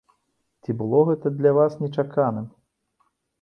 Ці было гэта для вас нечаканым?